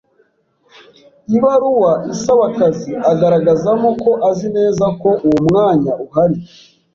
ibaruwa isaba akazi agaragazamo ko azi neza ko uwo mwanya uhari.